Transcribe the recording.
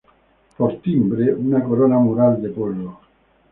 Por timbre, una corona mural de pueblo.